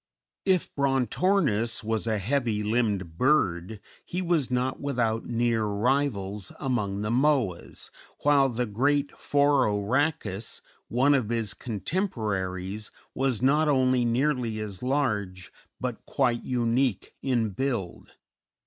If Brontornis was a heavy limbed bird, he was not without near rivals among the Moas, while the great Phororhacos, one of his contemporaries, was not only nearly as large, but quite unique in build.